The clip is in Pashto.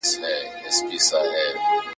د وګړو آوازونه لوړېدله .